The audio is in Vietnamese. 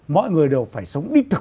mọi người đều phải sống ít thực